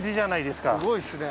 すごいっすね。